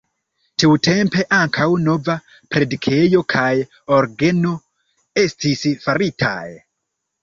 Tiutempe ankaŭ nova predikejo kaj orgeno estis faritaj.